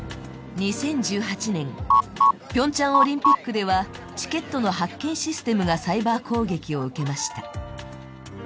２０１８年、ピョンチャンオリンピックでは、チケットの発券システムがサイバー攻撃を受けました。